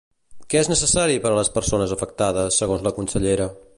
Què és necessari per a les persones afectades, segons la consellera?